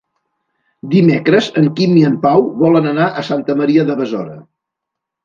Dimecres en Quim i en Pau volen anar a Santa Maria de Besora.